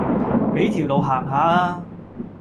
俾條路行下吖